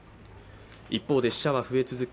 一方で死者は増え続け